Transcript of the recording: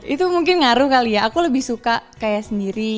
itu mungkin ngaruh kali ya aku lebih suka kayak sendiri